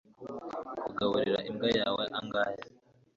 kugaburira imbwa yawe angahe